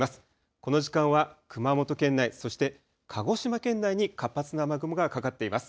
この時間は熊本県内、そして鹿児島県内に活発な雨雲がかかっています。